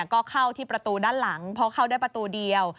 ก็เข้าที่ประตูด้านหลังเพราะเข้าได้ประตูเดียว